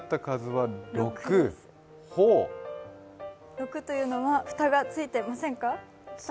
六というのはフタがついてませんか？